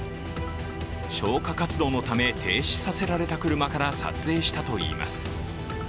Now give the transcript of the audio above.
消火活動のため停止させられた車から撮影したといいます。